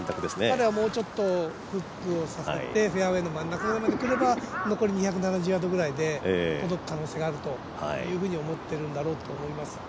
彼はもうちょっとフックをさせてフェアウエーの真ん中ぐらいまでくれば残り２７０ヤードくらいで届く可能性があると思ってるんだと思います。